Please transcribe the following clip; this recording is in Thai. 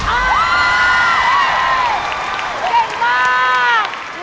เก่งมาก